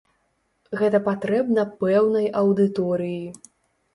Гэта патрэбна пэўнай аўдыторыі.